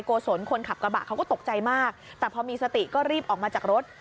โกศลคนขับกระบะเขาก็ตกใจมากแต่พอมีสติก็รีบออกมาจากรถ